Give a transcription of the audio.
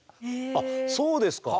あっそうですか。